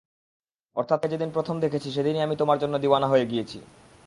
অর্থাৎ তোমাকে যেদিন প্রথম দেখেছি সেদিনই আমি তোমার জন্য দিওয়ানা হয়ে গিয়েছি।